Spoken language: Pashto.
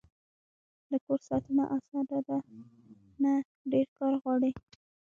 د کور ساتنه اسانه ده؟ نه، ډیر کار غواړی